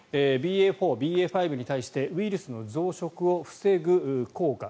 ＢＡ．４、ＢＡ．５に対してウイルスの増殖を防ぐ効果